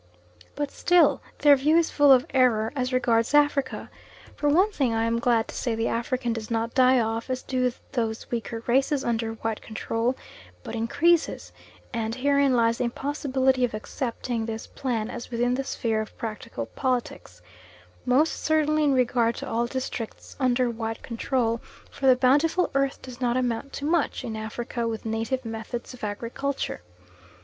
But still their view is full of error as regards Africa, for one thing I am glad to say the African does not die off as do those weaker races under white control, but increases; and herein lies the impossibility of accepting this plan as within the sphere of practical politics, most certainly in regard to all districts under white control, for the Bountiful Earth does not amount to much in Africa with native methods of agriculture.